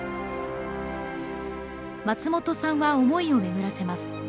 松本さんは思いを巡らせます。